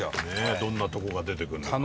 どんなとこが出てくるのかね。